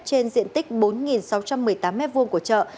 trên diện tích bốn sáu trăm một mươi tám m hai của chợ